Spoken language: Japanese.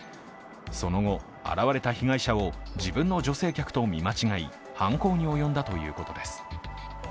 その後、現れた被害者を自分の女性客と見間違い、犯行に及んだということです。